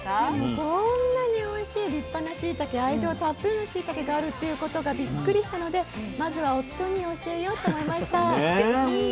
こんなにおいしい立派なしいたけ愛情たっぷりのしいたけがあるっていうことがびっくりしたのでまずは夫に教えようと思いました。